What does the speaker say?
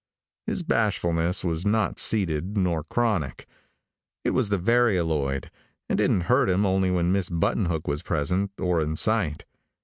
His bashfulness was not seated nor chronic. It was the varioloid, and didn't hurt him only when Miss Buttonhook was present, or in sight.